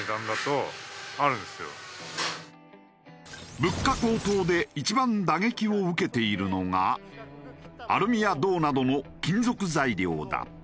物価高騰で一番打撃を受けているのがアルミや銅などの金属材料だ。